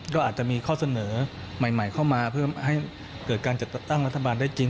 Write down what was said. ก็อาจจะมีข้อเสนอใหม่เข้ามาเพื่อให้เกิดการจัดตั้งรัฐบาลได้จริง